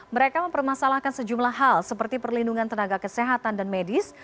mereka mempermasalahkan sejumlah hal seperti perlindungan tenaga kesehatan dan medis